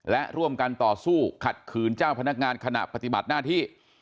และร่วมกันต่อสู้ขัดขืนเจ้าพนักงานขณะปฏิบัติหน้าที่